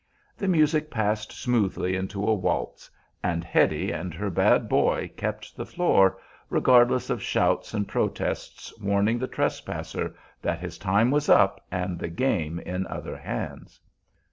The music passed smoothly into a waltz, and Hetty and her bad boy kept the floor, regardless of shouts and protests warning the trespasser that his time was up and the game in other hands.